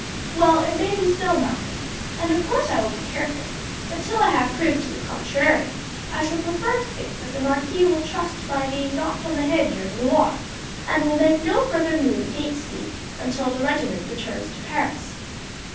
"Well, it may be so, Malcolm, and of course I will be careful; but till I have proof to the contrary I shall prefer to think that the marquis will trust to my being knocked on the head during the war, and will make no further move against me until the regiment returns to Paris."